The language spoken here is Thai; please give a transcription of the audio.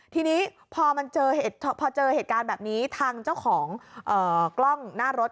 ทีนี้พอเจอเหตุการณ์แบบนี้ทางเจ้าของกล้องหน้ารถ